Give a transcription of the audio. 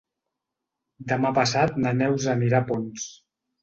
Demà passat na Neus anirà a Ponts.